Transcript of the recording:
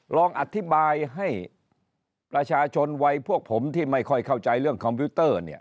ลองอธิบายให้ประชาชนวัยพวกผมที่ไม่ค่อยเข้าใจเรื่องคอมพิวเตอร์เนี่ย